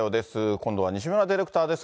今度は西村ディレクターです。